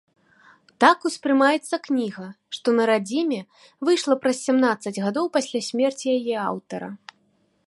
Так успрымаецца кніга, што на радзіме выйшла праз сямнаццаць гадоў пасля смерці яе аўтара.